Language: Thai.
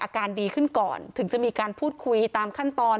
อาการดีขึ้นก่อนถึงจะมีการพูดคุยตามขั้นตอน